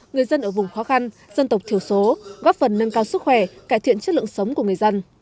người dân ở vùng khó khăn dân tộc thiểu số góp phần nâng cao sức khỏe cải thiện chất lượng sống của người dân